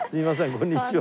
こんにちは。